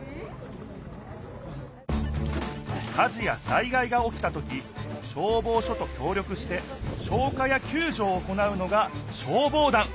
火事や災害がおきたとき消防署と協力して消火やきゅうじょを行うのが消防団。